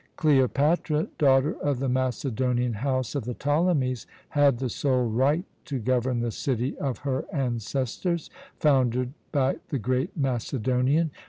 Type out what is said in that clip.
Cleopatra, daughter of the Macedonian house of the Ptolemies, had the sole right to govern the city of her ancestors, founded by the great Macedonian.